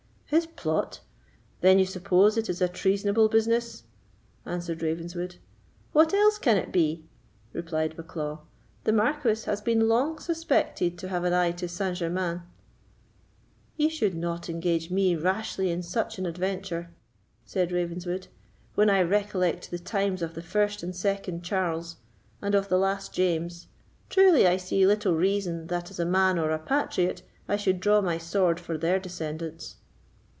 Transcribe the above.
"His plot! Then you suppose it is a treasonable business," answered Ravenswood. "What else can it be?" replied Bucklaw; "the Marquis has been long suspected to have an eye to Saint Germains." "He should not engage me rashly in such an adventure," said Ravenswood; "when I recollect the times of the first and second Charles, and of the last James, truly I see little reason that, as a man or a patriot, I should draw my sword for their descendants."